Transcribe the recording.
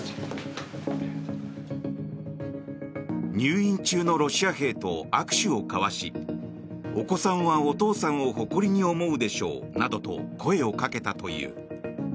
入院中のロシア兵と握手を交わしお子さんはお父さんを誇りに思うでしょうなどと声をかけたという。